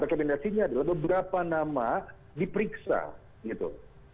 rekomendasinya adalah beberapa nama diperiksa gitu